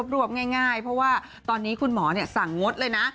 รวบง่ายเพราะว่าตอนนี้คุณหมอสั่งงดเลยนะ